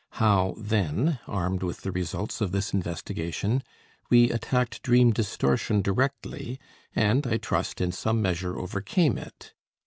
How, then, armed with the results of this investigation, we attacked dream distortion directly and, I trust, in some measure overcame it?